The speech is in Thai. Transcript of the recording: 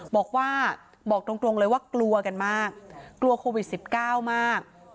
บอกว่าบอกตรงเลยว่ากลัวกันมากกลัวโควิด๑๙มาก